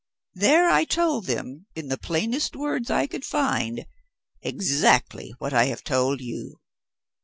There I told them, in the plainest words I could find, exactly what I have told you.